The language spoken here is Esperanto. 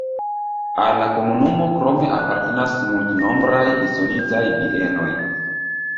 Al la komunumo krome apartenas multnombraj izolitaj bienoj.